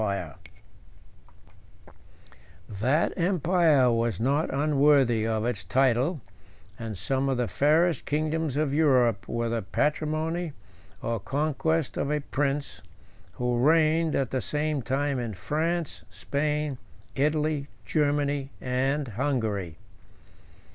] That empire was not unworthy of its title; 105 and some of the fairest kingdoms of Europe were the patrimony or conquest of a prince, who reigned at the same time in France, Spain, Italy, Germany, and Hungary. 106 I.